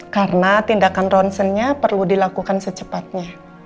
karena tindakan ronsennya perlu dilakukan secepatnya